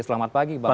selamat pagi bang rai